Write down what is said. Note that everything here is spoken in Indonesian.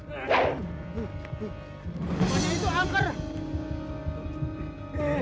rumahnya itu angker